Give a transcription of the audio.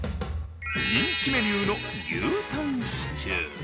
人気メニューの牛タンシチュー。